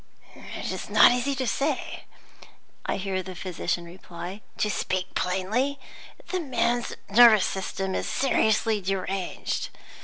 "It is not easy to say," I hear the physician reply. "To speak plainly, the man's nervous system is seriously deranged.